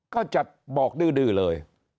ก็จะบอกดื้อเลย